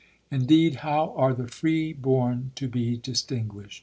Indeed, how are the free born to be distinguished